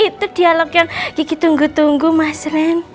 itu dialog yang kiki tunggu tunggu mas rendy